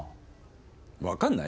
わかんない？